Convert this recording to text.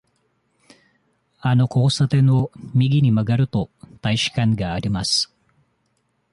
あの交差点を右に曲がると、大使館があります。